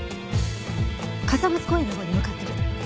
傘松公園のほうに向かってる。